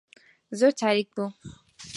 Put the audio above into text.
زۆر تاریک بوو.